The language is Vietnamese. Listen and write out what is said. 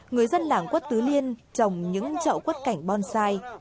người dân làng quất tứ liên trồng những trậu quất cảnh bonsai